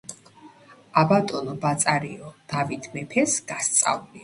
ა ბატონო ბაწარიო, დავით მეფეს გასწავლიო